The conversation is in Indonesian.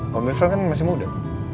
pak irfan kan masih muda